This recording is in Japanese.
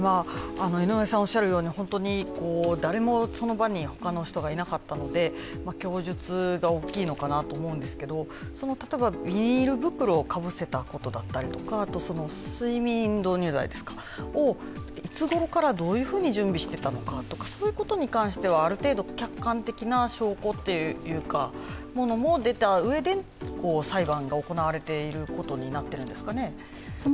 誰もその場に他の人がいなかったので供述が大きいのかなと思うんですけど例えばビニール袋をかぶせたことですとか睡眠導入剤をいつごろからどういうふうに準備していたのかとか、そういうことに関しては、ある程度、客観的な証拠も出たうえで裁判が行われているんですかね？